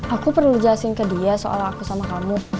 aku perlu jelasin ke dia soal aku sama kamu